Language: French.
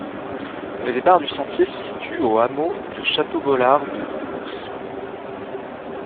Le départ du sentier se situe au hameau de Château-Beaulard de Oulx.